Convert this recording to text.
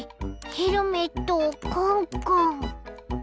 ヘルメットをコンコン。